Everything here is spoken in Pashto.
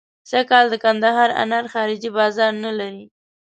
سږکال د کندهار انار خارجي بازار نه لري.